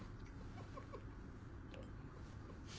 フフフフ。